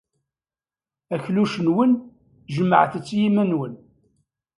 Akluc-nwen, jemɛet-tt i yiman-nwen.